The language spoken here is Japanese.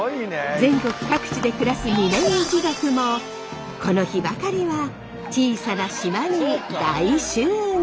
全国各地で暮らす嶺井一族もこの日ばかりは小さな島に大集合！